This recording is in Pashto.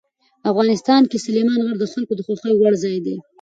افغانستان کې سلیمان غر د خلکو د خوښې وړ ځای دی.